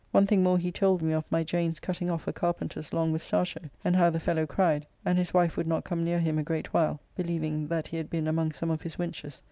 One thing more he told me of my Jane's cutting off a carpenter's long mustacho, and how the fellow cried, and his wife would not come near him a great while, believing that he had been among some of his wenches.